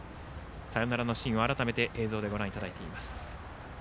サヨナラのシーンを改めて映像でご覧いただいています。